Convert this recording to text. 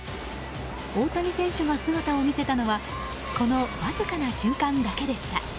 大谷選手が姿を見せたのはこのわずかな瞬間だけでした。